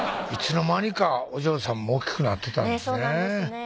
いつの間にかお嬢さんも大きくなってたんですね